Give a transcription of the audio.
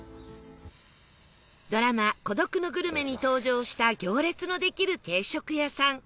ドラマ『孤独のグルメ』に登場した行列のできる定食屋さん